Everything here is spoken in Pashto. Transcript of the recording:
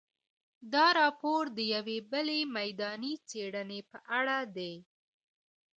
دا راپور د یوې بلې میداني څېړنې په اړه دی.